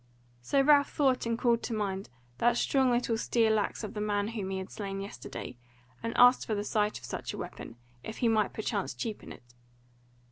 So Ralph thought and called to mind that strong little steel axe of the man whom he had slain yesterday, and asked for the sight of such a weapon, if he might perchance cheapen it.